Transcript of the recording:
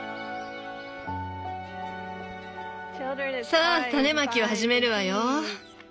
さあ種まきを始めるわよ！